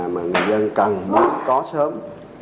mà người dân cần có sớm